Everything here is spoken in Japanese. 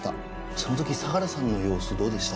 その時相良さんの様子どうでした？